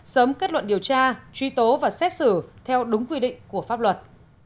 sớm kết luận điều tra truy tố và xét xử theo đúng quy định của pháp luật